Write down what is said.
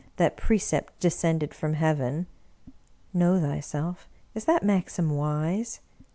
" That pre cept descended from Heaven." Know thyself! Is that maxim wise?